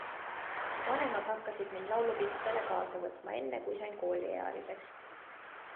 Vanemad hakkasid mind laulupidudele kaasa võtma enne, kui sain kooliealiseks.